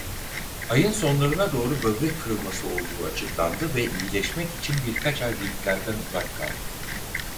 Ayın sonlarına doğru böbrek kırılması olduğu açıklandı ve iyileşmek için birkaç ay ringlerden uzak kaldı.